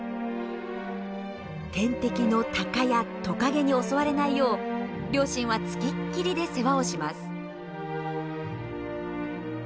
天敵のタカやトカゲに襲われないよう両親は付きっきりで世話をします。